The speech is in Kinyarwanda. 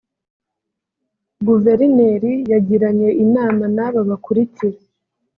Guverineri yagiranye inama n’ aba bakurikira